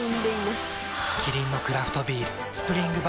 キリンのクラフトビール「スプリングバレー」